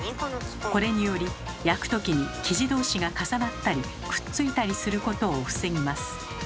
これにより焼く時に生地同士が重なったりくっついたりすることを防ぎます。